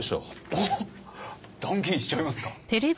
おっ断言しちゃいますか？